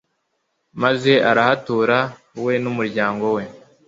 maze arahatura we n'umuryango we